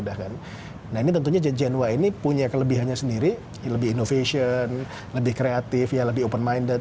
nah ini tentunya gen y ini punya kelebihannya sendiri lebih innovation lebih kreatif ya lebih open minded